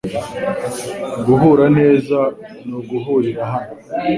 Guhura neza nuguhurira hano .